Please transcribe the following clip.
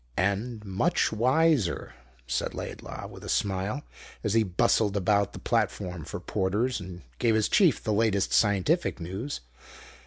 "And much wiser," said Laidlaw, with a smile, as he bustled about the platform for porters and gave his chief the latest scientific news.